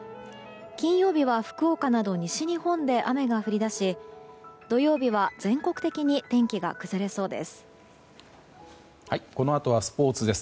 金曜日は福岡など西日本で雨が降り出し土曜日は、全国的に天気が崩れそうです。